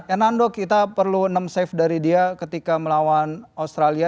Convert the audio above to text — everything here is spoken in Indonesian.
hernando kita perlu enam safe dari dia ketika melawan australia